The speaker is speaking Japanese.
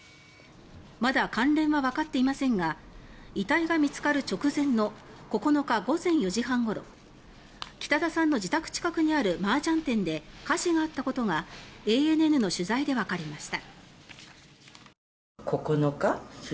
まだ関連はわかっていませんが遺体が見つかる直前の９日午前４時半ごろ北田さんの自宅近くにあるマージャン店で火事があったことがＡＮＮの取材でわかりました。